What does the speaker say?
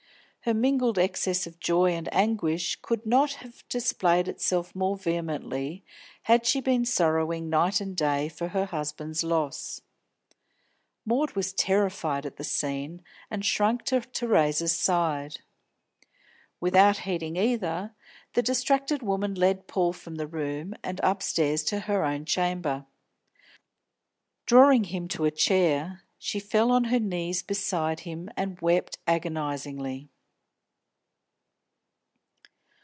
Her mingled excess of joy and anguish could not have displayed itself more vehemently had she been sorrowing night and day for her husband's loss. Maud was terrified at the scene, and shrunk to Theresa's side. Without heeding either, the distracted woman led Paul from the room, and upstairs to her own chamber. Drawing him to a chair, she fell on her knees beside him and wept agonisingly.